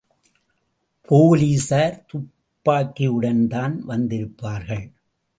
போலீசார் துப்பாக்கியுடன்தான் வந்திருப்பார்கன்.